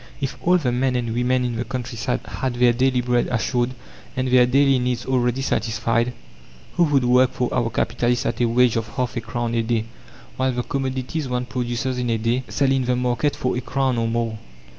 If all the men and women in the countryside had their daily bread assured, and their daily needs already satisfied, who would work for our capitalist at a wage of half a crown a day, while the commodities one produces in a day sell in the market for a crown or more?